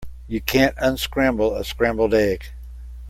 You can't unscramble a scrambled egg.